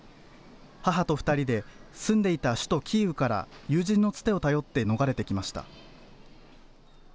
母と２人で、住んでいた首都キーウから、友人のつてを頼って逃れてきました。